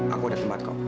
aku ada tempat kok